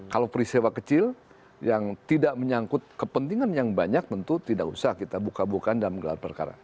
kalau peristiwa kecil yang tidak menyangkut kepentingan yang banyak tentu tidak usah kita buka bukaan dalam gelar perkara